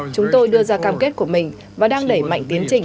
chúng tôi đưa ra cam kết của mình và đang đẩy mạnh tiến trình